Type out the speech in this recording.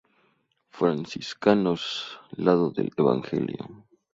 Franciscanos, lado del Evangelio.